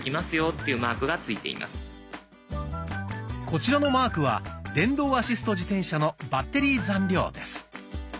こちらのマークは電動アシスト自転車のバッテリー残量です。